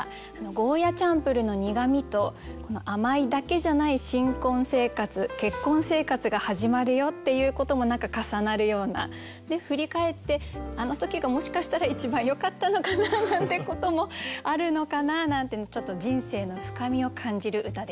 ゴーヤチャンプルーの苦味と甘いだけじゃない新婚生活結婚生活が始まるよっていうことも何か重なるような。で振り返って「あの時がもしかしたら一番よかったのかな」なんてこともあるのかななんてちょっと人生の深みを感じる歌でした。